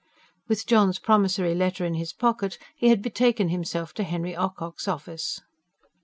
With John's promissory letter in his pocket, he had betaken himself to Henry Ocock's office.